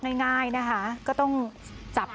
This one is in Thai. กลับด้านหลักหลักหลัก